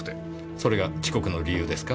それが遅刻の理由ですか？